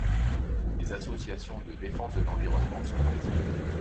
Des associations de défense de l'environnement sont présentes.